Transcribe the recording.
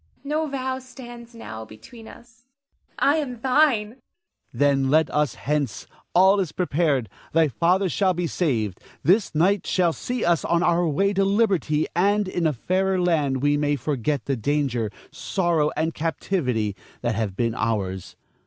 No vow stands now between us. I am thine. Ernest. Then let us hence. All is prepared; thy father shall be saved. This night shall see us on our way to liberty; and in a fairer land we may forget the danger, sorrow, and captivity that have been ours.